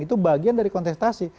itu bagian dari kontestasi